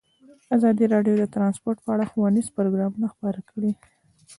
ازادي راډیو د ترانسپورټ په اړه ښوونیز پروګرامونه خپاره کړي.